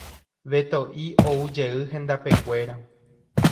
Beto'i oujey hendapekuéra.